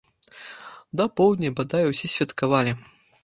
Да поўдня бадай усе святкавалі.